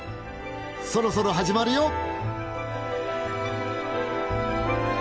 そろそろ始まるよ！